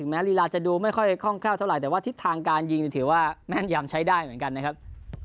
ลีลาจะดูไม่ค่อยคล่องแคล่วเท่าไหร่แต่ว่าทิศทางการยิงถือว่าแม่นยำใช้ได้เหมือนกันนะครับ